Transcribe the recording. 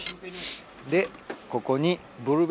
でここに。